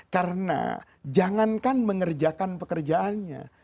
karena jangankan mengerjakan pekerjaannya